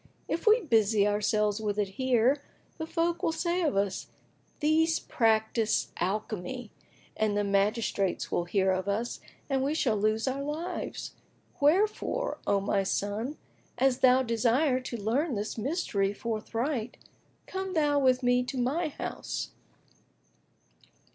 If we busy ourselves with it here, the folk will say of us, These practise alchemy; and the magistrates will hear of us, and we shall lose our lives.[FN#17] Wherefore, O my son, an thou desire to learn this mystery forthright, come thou with me to my house."